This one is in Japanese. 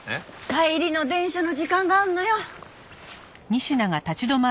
帰りの電車の時間があるのよ。